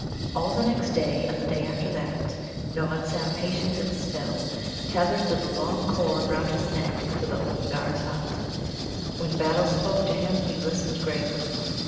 All the next day, and the day after that, Nod sat patient and still, tethered with a long cord round his neck to the Oomgar's hut. When Battle spoke to him he listened gravely.